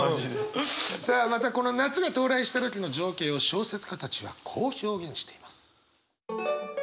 さあまたこの夏が到来した時の情景を小説家たちはこう表現しています。